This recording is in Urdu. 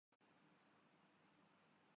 میں ماہر پلئیر کے لیے واقعی